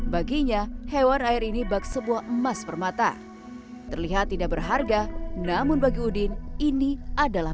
baginya hewan air ini bak sebuah emas permata terlihat tidak berharga namun bagi udin ini adalah